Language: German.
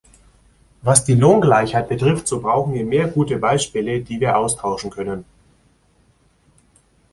Was die Lohngleichheit betrifft, so brauchen wir mehr gute Beispiele, die wir austauschen können.